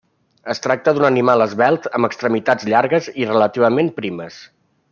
Es tracta d'un animal esvelt amb extremitats llargues i relativament primes.